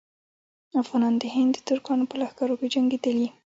افغانان د هند د ترکانو په لښکرو کې جنګېدلي.